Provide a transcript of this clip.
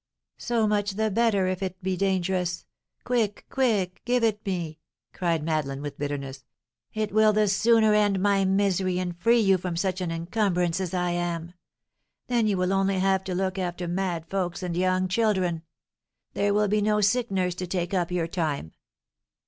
"So much the better if it be dangerous! Quick, quick give it me!" cried Madeleine, with bitterness; "it will the sooner end my misery, and free you from such an incumbrance as I am; then you will only have to look after mad folks and young children, there will be no sick nurse to take up your time."